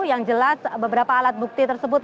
yang jelas beberapa alat bukti tersebut